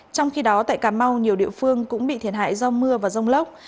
trong khi đó tại cà mau nhiều địa phương cũng bị thiệt hại do mưa và rông lốc